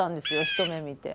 ひと目見て。